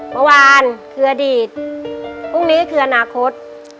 เมื่อวานคืออดีตพรุ่งนี้คืออนาคต